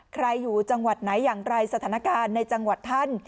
อยู่จังหวัดไหนอย่างไรสถานการณ์ในจังหวัดท่าน